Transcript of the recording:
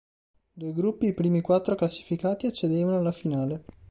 Due gruppi i primi quattro classificati accedevano alla finale.